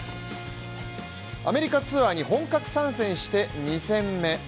アメリカツアーに本格参戦して２戦目。